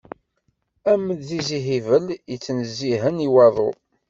Am at tizi Hibel i yettnezzihen i waḍu.